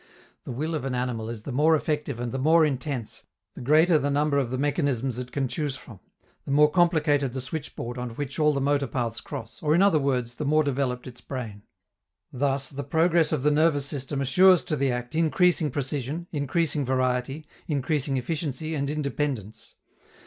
The will of an animal is the more effective and the more intense, the greater the number of the mechanisms it can choose from, the more complicated the switchboard on which all the motor paths cross, or, in other words, the more developed its brain. Thus, the progress of the nervous system assures to the act increasing precision, increasing variety, increasing efficiency and independence.